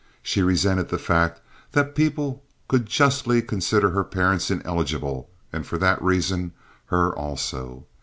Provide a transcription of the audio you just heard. She resented the fact that people could justly consider her parents ineligible, and for that reason her also.